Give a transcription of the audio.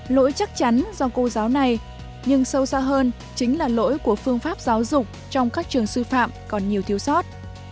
lỗi chắc chắn do cô giáo này nhưng sâu xa hơn chính là lỗi của phương pháp giáo dục trong các trường sư phạm còn nhiều thiếu sót